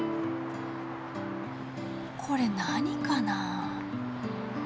これ何かな？